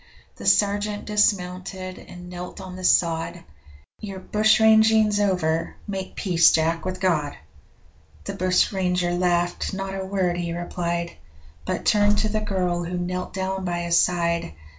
The sergeant dismounted and knelt on the sod 'Your bushranging's over make peace, Jack, with God!' The bushranger laughed not a word he replied, But turned to the girl who knelt down by his side.